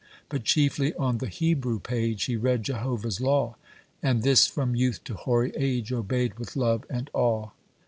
But chiefly on the Hebrew page He read Jehovah's law, And this from youth to hoary age Obeyed with love and awe.